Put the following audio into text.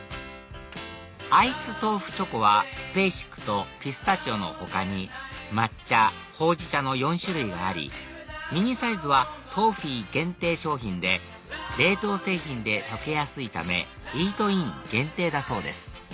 アイス豆腐チョコはベーシックとピスタチオの他に抹茶ほうじ茶の４種類がありミニサイズはＴＯＦＦＥＥ限定商品で冷凍製品で溶けやすいためイートイン限定だそうです